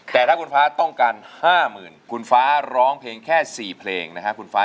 แต่ถ้าขุนฟ้าต้องการ๕๐๐๐๐ขุนฟ้าร้องเพลงแค่๔เพลงนะ